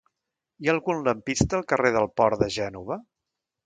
Hi ha algun lampista al carrer del Port de Gènova?